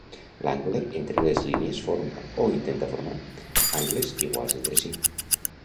L'angle entre les línies forma, o intenta formar, angles iguals entre si.